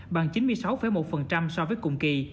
bằng chín mươi sáu một so với cùng kỳ